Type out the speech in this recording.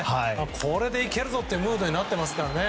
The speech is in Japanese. これでいけるぞっていうムードになってますからね。